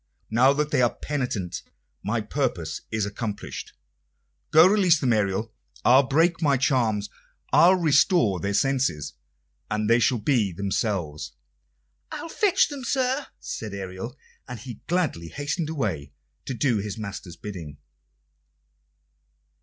"Now that they are penitent my purpose is accomplished. Go, release them, Ariel. I'll break my charms. I'll restore their senses, and they shall be themselves." "I'll fetch them, sir," said Ariel; and he gladly hastened away to do his master's bidding.